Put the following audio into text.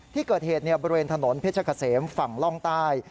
ที่เกิดเหตุบริเวณถนนเพชรเกษมฝั่งล่องใต้